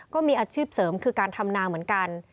ก็มีอาชีพเสริมคือการทำนาเหมือนกัน